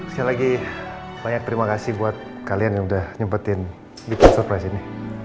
sekali lagi banyak terima kasih buat kalian yang udah nyempetin di pon surprise ini